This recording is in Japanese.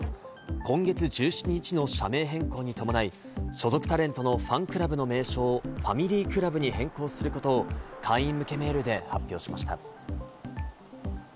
今月１７日の社名変更に伴い、所属タレントのファンクラブの名称をファミリークラブに変更することを会員向けメールで発表しました。